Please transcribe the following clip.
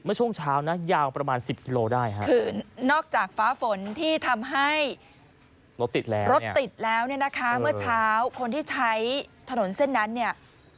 เมื่อเช้าคนที่ใช้ถนนเส้นนั้นเนี่ย